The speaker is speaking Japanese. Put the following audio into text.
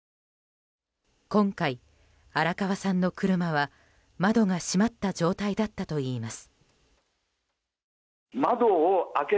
今回、荒川さんの車は窓が閉まった状態だったといいます。